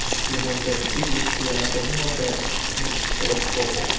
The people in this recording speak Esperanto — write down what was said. Li multe okupiĝis pri anatomio per mikroskopo.